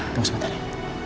tunggu sebentar ya